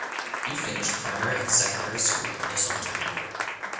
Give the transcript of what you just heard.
He finished primary and secondary school in his hometown.